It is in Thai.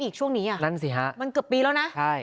อีกช่วงนี้อ่ะนั่นสิฮะมันเกือบปีแล้วนะใช่